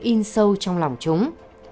in sâu trong lòng chúng